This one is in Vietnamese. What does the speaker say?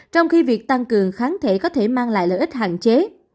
trong khi việc tăng cường kháng thể có thể mang lại lợi ích hạn chế